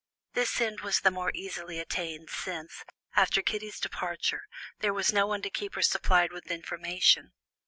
This end was the more easily attained since, after Kitty's departure, there was no one to keep her supplied with information.